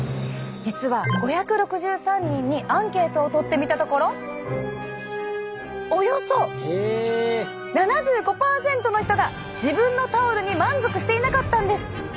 実は５６３人にアンケートをとってみたところおよそ７５％の人が自分のタオルに満足していなかったんです！